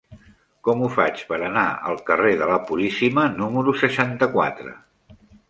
Com ho faig per anar al carrer de la Puríssima número seixanta-quatre?